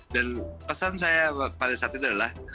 dan pesan paling satu adalah